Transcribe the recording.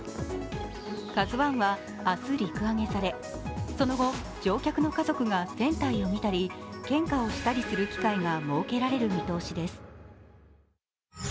「ＫＡＺＵⅠ」は明日陸揚げされ、その後乗客の家族が船体を見たり、献花をしたりする機会が設けられる見通しです。